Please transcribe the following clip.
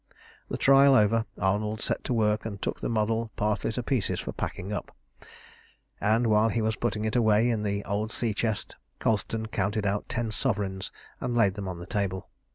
The trial over, Arnold set to work and took the model partly to pieces for packing up; and while he was putting it away in the old sea chest, Colston counted out ten sovereigns and laid them on the table.